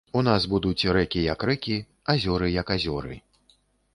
У нас будуць рэкі як рэкі, азёры як азёры.